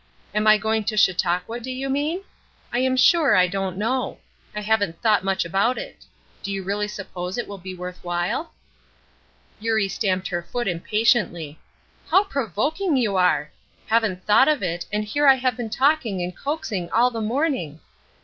Am I going to Chautauqua, do you mean? I am sure I don't know. I haven't thought much about it. Do you really suppose it will be worth while?" Eurie stamped her foot impatiently. "How provoking you are! Haven't thought of it, and here I have been talking and coaxing all the morning.